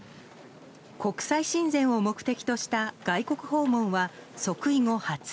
国際親善を目的とした外国訪問は即位後初。